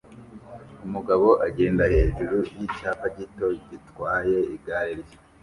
Umugabo agenda hejuru yicyapa gito gitwaye igare rye